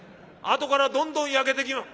あとからどんどん焼けてき」。